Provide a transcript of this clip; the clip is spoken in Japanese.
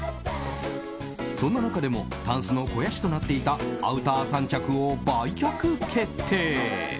そんな中でもタンスの肥やしとなっていたアウター３着を売却決定。